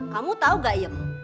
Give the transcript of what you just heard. kamu tau gak iem